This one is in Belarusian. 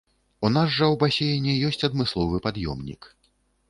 У нас жа ў басейне ёсць адмысловы пад'ёмнік.